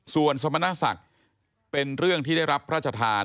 ส่วนสมณศักดิ์เป็นเรื่องที่ได้รับพระราชทาน